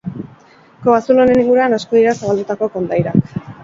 Kobazulo honen inguruan asko dira zabaldutako kondairak.